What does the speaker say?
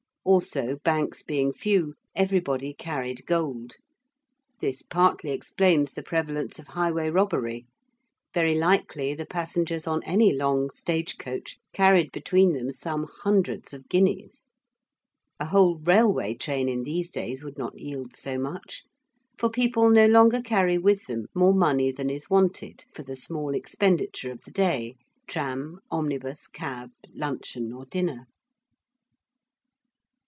Also banks being few everybody carried gold: this partly explains the prevalence of highway robbery: very likely the passengers on any long stage coach carried between them some hundreds of guineas: a whole railway train in these days would not yield so much: for people no longer carry with them more money than is wanted for the small expenditure of the day: tram, omnibus, cab, luncheon or dinner.